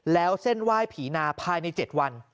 แล้วเส้นไหว้ผีนาภายใน๗วัน